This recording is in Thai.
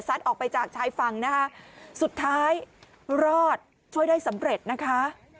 ออกไปจากชายฝั่งนะคะสุดท้ายรอดช่วยได้สำเร็จนะคะ